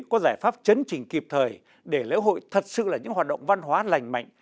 có giải pháp chấn chỉnh kịp thời để lễ hội thật sự là những hoạt động văn hóa lành mạnh